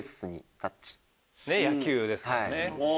野球ですからね。